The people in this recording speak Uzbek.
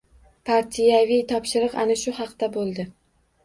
Partiyaviy topshiriq ana shu haqda bo‘ldi.